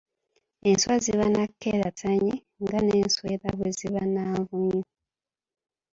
Enswa ziba na nkerettanyi nga n’enswera bwe ziba na Nvunyu.